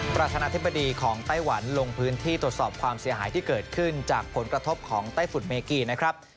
ประธานาธิบดีของไต้หวันลงพื้นที่ตรวจสอบความเสียหายที่เกิดขึ้นจากผลกระทบของไต้ฝุ่นเมกีนะครับ